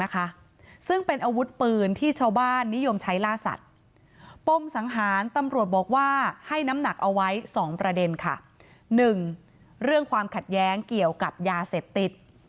ค่ะซึ่งเป็นอาวุธปืนที่ชาวบ้านนิยมใช้ล่าสัตว์ป้มสังหารตำรวจบอกว่าให้น้ำหนักเอาไว้สองประเด็นค่ะ๑เรื่องความขัดแย้งเกี่ยวกับยาเสพติด